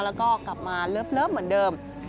แล้วก็กลับมาเลิฟเหมือนเดิม